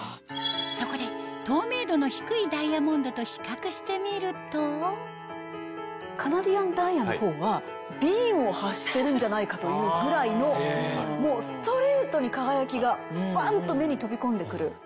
そこで透明度の低いダイヤモンドと比較してみるとカナディアンダイヤの方はビームを発してるんじゃないかというぐらいのもうストレートに輝きがバンっと目に飛び込んでくる。